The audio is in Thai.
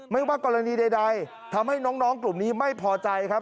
ว่ากรณีใดทำให้น้องกลุ่มนี้ไม่พอใจครับ